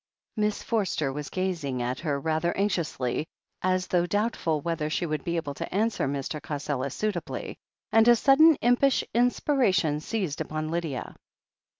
Miss Forster was gazing at her rather anxiously, as though doubtful whether she would be able to answer Mr. Cassela suitably, and a sudden impish inspiration seized upon Lydia.